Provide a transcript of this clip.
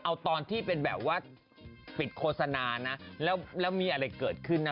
เอาตอนที่เป็นแบบว่าปิดโฆษณานะแล้วมีอะไรเกิดขึ้นนะ